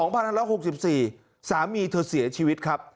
สามีเธอเสียชีวิตครับ